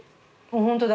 ホントだ。